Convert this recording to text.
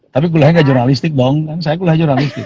tapi kuliahnya gak jurnalistik dong kan saya kuliah jurnalistik